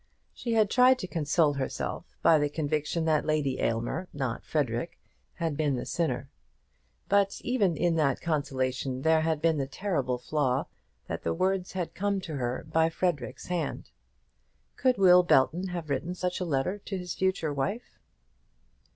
She had tried to console herself by the conviction that Lady Aylmer, not Frederic, had been the sinner; but even in that consolation there had been the terrible flaw that the words had come to her written by Frederic's hand. Could Will Belton have written such a letter to his future wife?